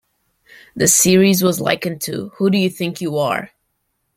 The series was likened to Who Do You Think You Are?